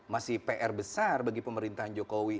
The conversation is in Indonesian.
masih pr besar bagi pemerintahan jokowi